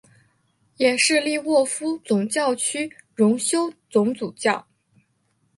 也是利沃夫总教区荣休总主教。